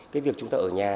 cái việc chúng ta ở nhà